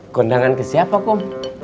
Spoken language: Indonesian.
kondangan ke siapa kum